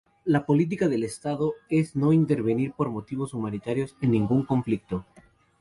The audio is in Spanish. La política de estado es no intervenir por motivos humanitarios en ningún conflicto.